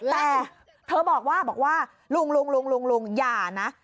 แต่เธอบอกว่าบอกว่าลุงลุงอย่านะ